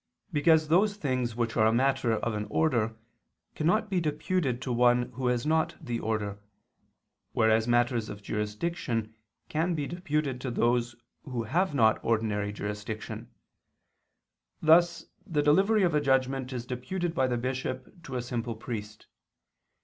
Because those things which are a matter of an order, cannot be deputed to one who has not the order, whereas matters of jurisdiction can be deputed to those who have not ordinary jurisdiction: thus the delivery of a judgment is deputed by the bishop to a simple priest.